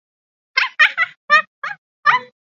He is founder and national president of Bhim Sena (All India Ambedkar Army).